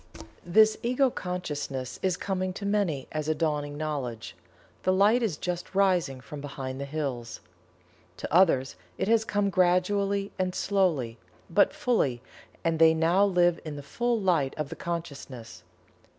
This Ego Consciousness is coming to many as a dawning knowledge the light is just rising from behind the hills. To others it has come gradually and slowly, but fully, and they now live in the full light of the consciousness.